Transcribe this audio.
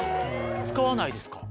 使わないですか？